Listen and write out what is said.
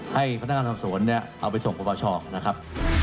ให้พนักงานสอบสวนเอาไปส่งประวัติศาสตร์ชอบนะครับ